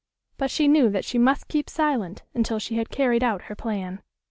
But she knew that she must keep silent until she had carried out her plan.